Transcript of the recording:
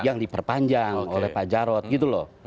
yang diperpanjang oleh pak jarod gitu loh